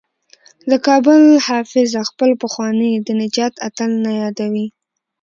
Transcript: د کابل حافظه خپل پخوانی د نجات اتل نه یادوي.